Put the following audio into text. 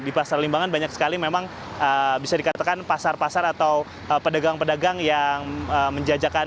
di pasar limbangan banyak sekali memang bisa dikatakan pasar pasar atau pedagang pedagang yang menjajakan